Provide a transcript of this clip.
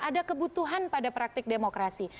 ada kebutuhan pada praktik demokrasi